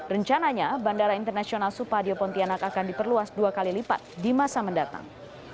rencananya bandara internasional supadio pontianak akan diperluas dua kali lipat di masa mendatang